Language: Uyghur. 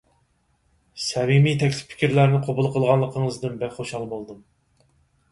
سەمىمىي تەكلىپ-پىكىرلەرنى قوبۇل قىلغانلىقىڭىزدىن بەك خۇشال بولدۇم.